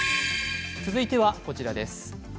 続いてはこちらです。